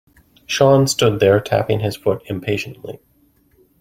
Sean stood there tapping his foot impatiently.